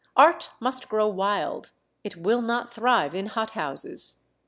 Art must grow wild it will not thrive in hot houses.